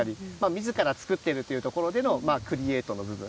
みずから、作っているというところでのクリエートの部分。